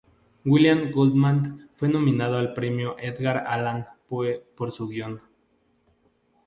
William Goldman fue nominado al Premio Edgar Allan Poe por su guion.